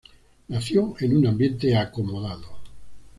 Nació en un ambiente acomodado.